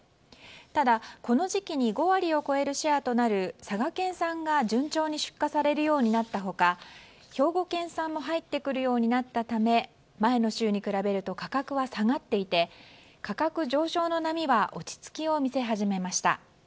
ただ、この時期に５割を超えるシェアとなる佐賀県産が順調に出荷されるようになった他兵庫県産も入ってくるようになったため前の週に比べると価格は下がっていて価格上昇の波は落ち着きを見せ始めました。